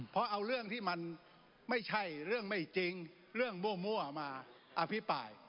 เพราะเอาเรื่องที่มันไม่ใช่เรื่องไม่จริงเรื่องมั่วมาอภิปราย